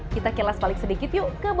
kita kilas balik sedikit